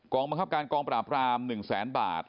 บังคับการกองปราบราม๑แสนบาท